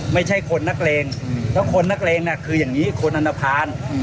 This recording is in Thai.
ไม่ใช่คนนักเลงถ้าคนนักเลงน่ะคืออย่างงี้คนอนภาร